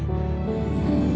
kamu balik lagi